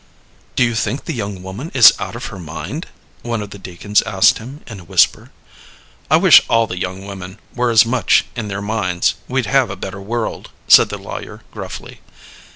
"Do you think the young woman is out of her mind?" one of the deacons asked him, in a whisper. "I wish all the young women were as much in their minds; we'd have a better world," said the lawyer, gruffly.